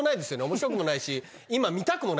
面白くもないし。